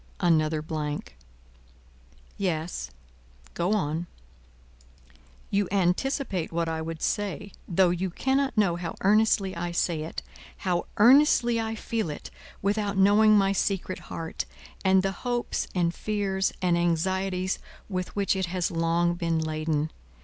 Another blank. "Yes, go on." "You anticipate what I would say, though you cannot know how earnestly I say it, how earnestly I feel it, without knowing my secret heart, and the hopes and fears and anxieties with which it has long been laden.